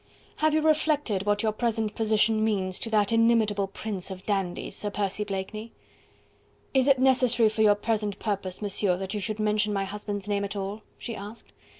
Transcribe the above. "Have you reflected what your present position means to that inimitable prince of dandies, Sir Percy Blakeney?" "Is it necessary for your present purpose, Monsieur, that you should mention my husband's name at all?" she asked.